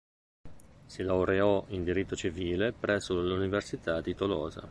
Si laureò in diritto civile presso l'Università di Tolosa.